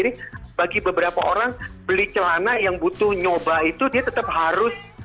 jadi bagi beberapa orang beli celana yang butuh nyoba itu dia tetap harus